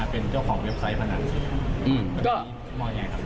เป็นเจ้าของเว็บไซต์พนันแล้วก็มองยังไงครับ